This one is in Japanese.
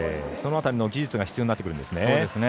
その辺りの技術が必要になってくるんですね。